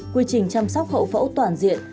quy trình chăm sóc hậu phẫu toàn diện